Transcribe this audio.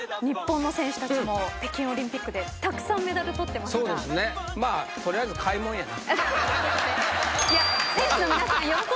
日本の選手たちも北京オリンピックでたくさんメダル取ってますが。